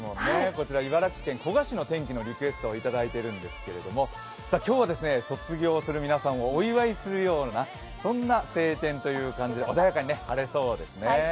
こちら茨城県古河市の天気のリクエストをいただいているんですけど今日は卒業する皆さんをお祝いするような、そんな晴天となって穏やかに晴れそうですね。